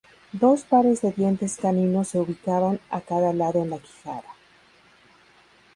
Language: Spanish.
Dos pares de dientes caninos se ubicaban a cada lado en la quijada.